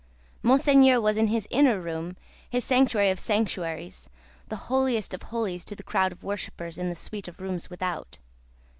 Monseigneur was in his inner room, his sanctuary of sanctuaries, the Holiest of Holiests to the crowd of worshippers in the suite of rooms without.